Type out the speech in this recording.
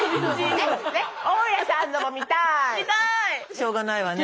しょうがないわね。